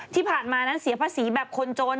ที่ผ่านมานั้นเสียภาษีแบบคนจน